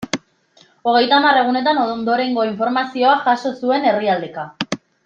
Hogeita hamar egunetan ondorengo informazioa jaso zuen herrialdeka.